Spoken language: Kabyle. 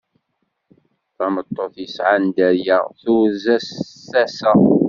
Tameṭṭut yesɛan dderya turez s tasa.